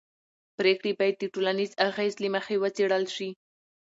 پرېکړې باید د ټولنیز اغېز له مخې وڅېړل شي